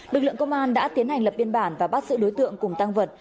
lực lượng công an đã tiến hành lập biên bản và bắt giữ đối tượng cùng tăng vật